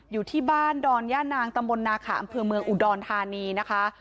อยู่ที่บ้านดอนย่านางตำบลนาขาอำเภอเมืองอุดรธานีนะคะ